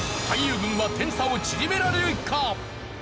俳優軍は点差を縮められるか？